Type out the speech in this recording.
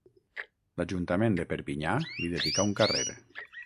L'ajuntament de Perpinyà li dedicà un carrer.